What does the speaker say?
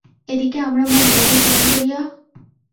এ দিকে, আমরা মুখ দেখাই কেমন করিয়া?